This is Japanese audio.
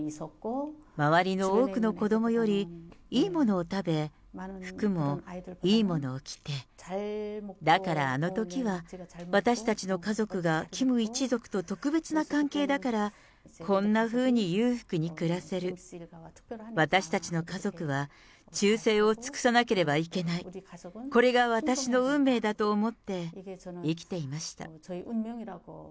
周りの多くの子どもよりいいものを食べ、服もいいものを着て、だからあのときは、私たちの家族がキム一族と特別な関係だから、こんなふうに裕福に暮らせる、私たちの家族は忠誠を尽くさなければいけない、これが私の運命だと思って生きていました。